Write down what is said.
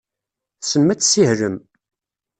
Tessnem ad tessihlem?